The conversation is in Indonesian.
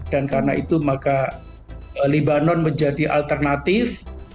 karena itu maka libanon menjadi alternatif